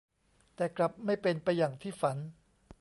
แต่กลับไม่เป็นไปอย่างที่ฝัน